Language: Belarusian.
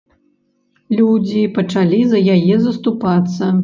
Людзі пачалі за яе заступацца.